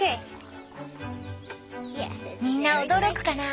みんな驚くかな